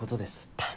パン！